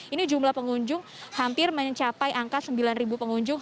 ini jumlah pengunjung hampir mencapai angka sembilan pengunjung